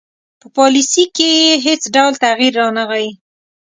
په پالیسي کې یې هیڅ ډول تغیر رانه غی.